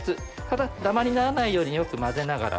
ただダマにならないようによく混ぜながら。